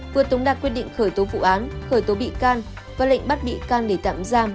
vừa tống đạt quyết định khởi tố vụ án khởi tố bị can và lệnh bắt bị can để tạm giam